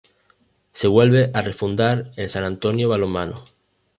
Se vuelve a refundar el San Antonio Balonmano.